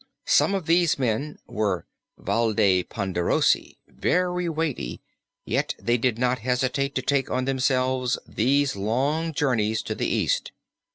Some of these men were valde ponderosi, very weighty, yet they did not hesitate to take on themselves these long journeys to the East.